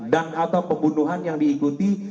dan atau pembunuhan yang diikuti